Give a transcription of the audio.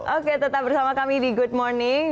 oke tetap bersama kami di good morning